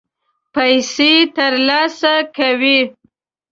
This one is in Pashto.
پیسې ترلاسه کوي.